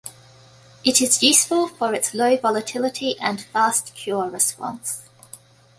It is useful for its low volatility and fast cure response.